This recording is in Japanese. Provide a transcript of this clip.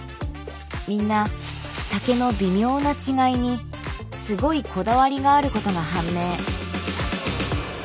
みんな丈の微妙な違いにすごいこだわりがあることが判明。